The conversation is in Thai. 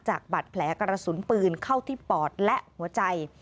บัตรแผลกระสุนปืนเข้าที่ปอดและหัวใจ